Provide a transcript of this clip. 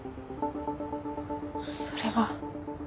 それは。